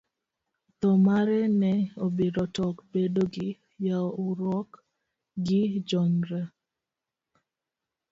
Thoo mare ne obiro tok bedo gi yuaruok gi jonjore.